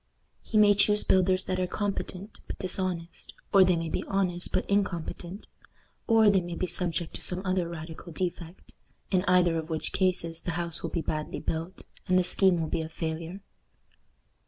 He may choose builders that are competent but dishonest, or they may be honest but incompetent, or they may be subject to some other radical defect; in either of which cases the house will be badly built, and the scheme will be a failure.